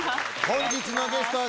本日のゲストは。